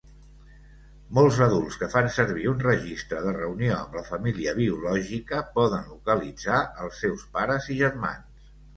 Molts adults que fan servir un registre de reunió amb la família biològica poden localitzar els seus pares i germans.